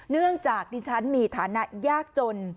เนื่องจากดิฉันมีฐานะยากจน